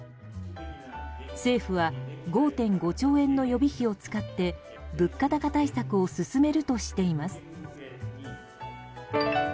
政府は５．５兆円の予備費を使って物価高対策を進めるとしています。